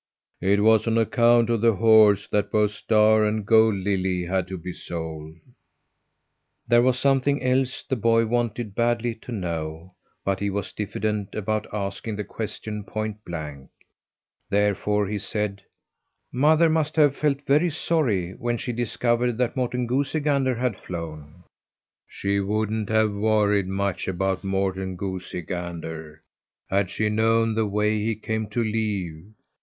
It was on account of the horse that both Star and Gold Lily had to be sold." There was something else the boy wanted badly to know, but he was diffident about asking the question point blank. Therefore he said: "Mother must have felt very sorry when she discovered that Morten Goosey Gander had flown?" "She wouldn't have worried much about Morten Goosey Gander had she known the way he came to leave.